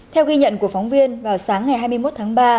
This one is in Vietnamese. theo ghi nhận của phóng viên vào sáng ngày hai mươi một tháng ba